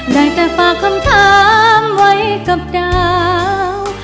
ได้แต่ฝากคำถามไว้กับดาว